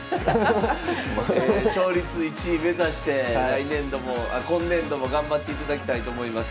勝率１位目指して来年度もあ今年度も頑張っていただきたいと思います。